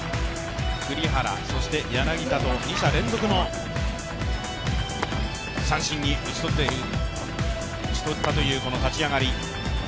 栗原、そして柳田と２者連続の三振に打ち取ったという立ち上がり。